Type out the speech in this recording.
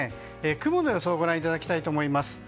雲の予想をご覧いただきたいと思います。